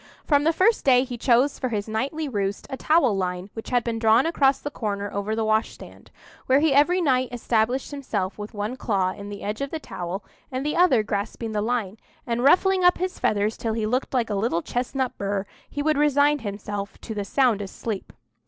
From the first day he chose for his nightly roost a towel line which had been drawn across the corner over the wash stand, where he every night established himself with one claw in the edge of the towel and the other clasping the line, and, ruffling up his feathers till he looked like a little chestnut burr, he would resign himself to the soundest sleep.